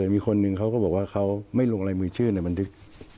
มีคนนึงเขาก็บอกว่าเขาไม่ลงลายมือชื่อในบันทึก